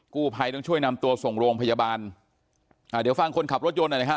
กู้ภัยต้องช่วยนำตัวส่งโรงพยาบาลอ่าเดี๋ยวฟังคนขับรถยนต์หน่อยนะฮะ